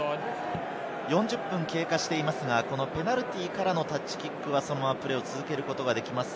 ４０分経過していますが、ペナルティーからのタッチキックはそのままプレーを続けることができます。